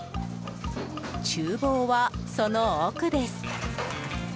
厨房は、その奥です。